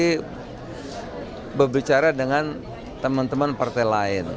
saya berbicara dengan teman teman partai lain